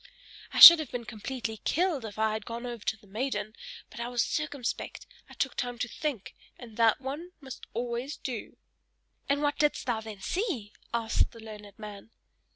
I should have been completely killed if I had gone over to the maiden; but I was circumspect, I took time to think, and that one must always do." "And what didst thou then see?" asked the learned man.